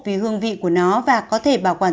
vì hương vị của nó và có thể bảo quản